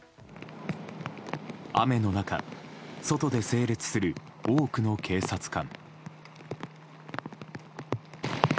雨の中、外で整列する多くの警察官。